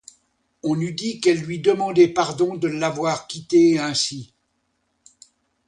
On eût dit qu’elle lui demandait pardon de l’avoir quittée ainsi.